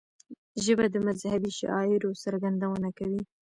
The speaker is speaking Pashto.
ژبه د مذهبي شعائرو څرګندونه کوي